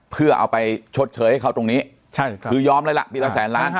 เพื่อเอาไปชดเชยให้เขาตรงนี้คือยอมเลยล่ะปีละแสนล้าน